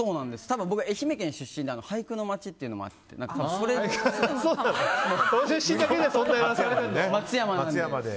多分、僕が愛媛県出身で俳句の街っていうのもあってそれで。